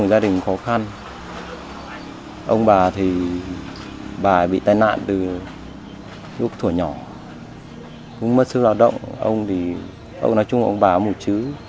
xác định lý văn chức